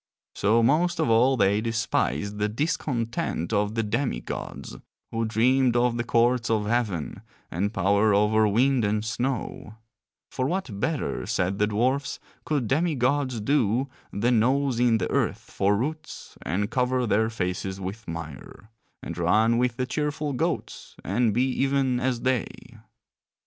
So most of all they despised the discontent of the demi gods, who dreamed of the courts of heaven and power over wind and snow; for what better, said the dwarfs, could demi gods do than nose in the earth for roots and cover their faces with mire, and run with the cheerful goats and be even as they?